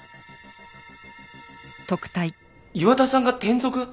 岩田さんが転属！？